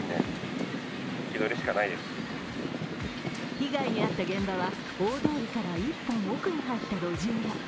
被害に遭った現場は大通りから１本奥に入った路地裏。